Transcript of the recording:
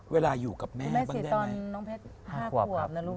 เวลาอยู่กับแม่บ้างได้ไหม